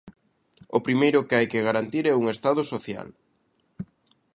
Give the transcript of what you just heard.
O primeiro que hai que garantir é un estado social.